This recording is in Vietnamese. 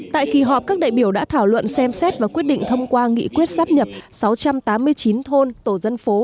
tại kỳ họp các đại biểu đã thảo luận xem xét và quyết định thông qua nghị quyết sắp nhập sáu trăm tám mươi chín thôn tổ dân phố